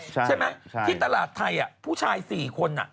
ใช่ไหมที่ตลาดไทยผู้ชาย๔คน